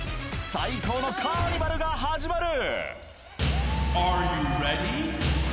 最高のカーニバルが始まる。